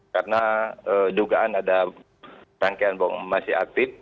karena dugaan ada rangkaian bom masih aktif